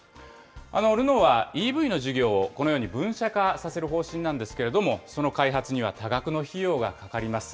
ルノーはＥＶの事業を、このように分社化させる方針なんですけれども、その開発には多額の費用がかかります。